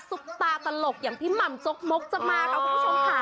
ตาตลกอย่างพี่หม่ำจกมกจะมาค่ะคุณผู้ชมค่ะ